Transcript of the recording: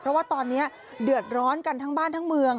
เพราะว่าตอนนี้เดือดร้อนกันทั้งบ้านทั้งเมือง